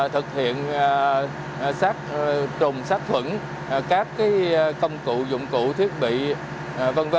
thực hiện trùng sát khuẩn các công cụ dụng cụ thiết bị v v